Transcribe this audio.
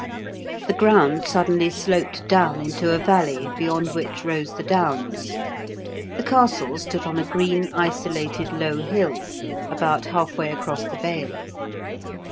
The ground suddenly sloped down into a valley, beyond which rose the Downs; the castle stood on a green isolated low hill, about half way across the vale.